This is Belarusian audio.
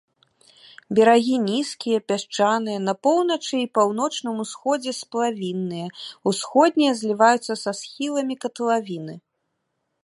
Берагі нізкія, пясчаныя, на поўначы і паўночным усходзе сплавінныя, усходнія зліваюцца са схіламі катлавіны.